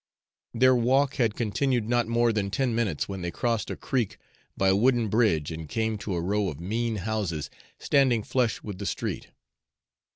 Their walk had continued not more than ten minutes when they crossed a creek by a wooden bridge and came to a row of mean houses standing flush with the street.